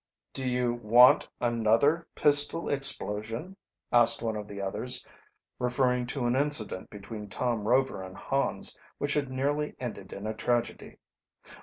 "Do you want another pistol explosion?" asked one of the others, referring to an incident between Tom Rover and Hans which had nearly ended in a tragedy.